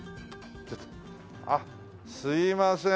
あっすいません。